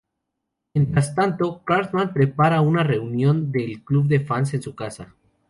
Mientras tanto, Cartman prepara una reunión del club de fans en su casa.